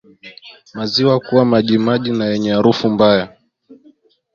Maziwa kuwa majimaji na yenye harufu mbaya